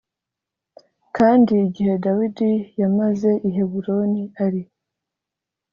Kandi igihe Dawidi yamaze i Heburoni ari